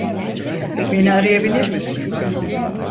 Beni arayabilir misin?